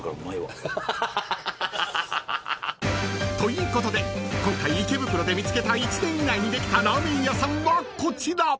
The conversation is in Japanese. ［ということで今回池袋で見つけた１年以内にできたラーメン屋さんはこちら］